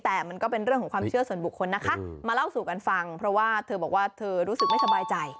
แต่มันก็เป็นเรื่องของความเชื่อส่วนบุคคลนะคะมาเล่าสู่กันฟังเพราะว่าเธอบอกว่าเธอรู้สึกไม่สบายใจ